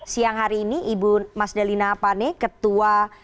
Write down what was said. siang hari ini ibu mas dalina pane ketua